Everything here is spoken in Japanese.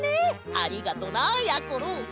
ありがとなやころ！